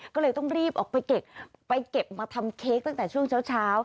ก็เลยต้องรีบออกไปเก็บไปเก็บมาทำเค้กตั้งแต่ช่วงเช้า